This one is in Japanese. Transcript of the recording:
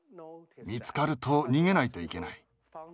見つかると逃げないといけない。